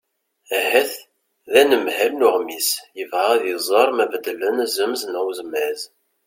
ahat d anemhal n uɣmis yebɣa ad iẓer ma beddlen azemz n uzmaz